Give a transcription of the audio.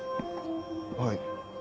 はい。